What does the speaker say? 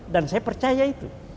dan saya percaya itu